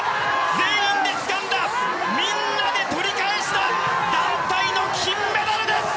全員でつかんだみんなで取り返した団体の金メダルです！